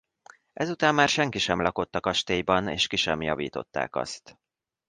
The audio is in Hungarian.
Ezután már senki sem lakott a kastélyban és ki sem javították azt.